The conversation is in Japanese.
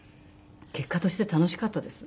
結果として楽しかったです。